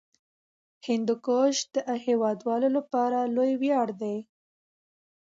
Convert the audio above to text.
هندوکش د هیوادوالو لپاره لوی ویاړ دی.